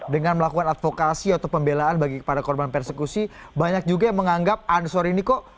dengan melakukan advokasi atau pembelaan bagi kepada korban persekusi banyak juga yang menganggap ansor ini kok